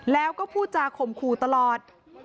แล้วก็พูดจาข่มขู่ตลอด